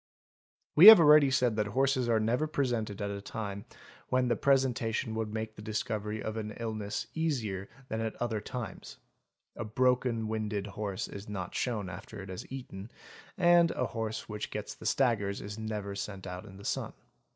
_ We have already said that horses are never presented at a time when the presentation would make the discovery of illness easier than at other times (a broken winded horse is not shown after it has eaten and « horse which gets the staggers is never sent out in the sun).